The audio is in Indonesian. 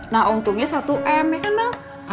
nah untungnya satu m ya kan nak